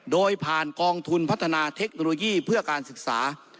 โดยผ่านกองทุนพัฒนาเทคโนโลยีเพื่อการศึกษา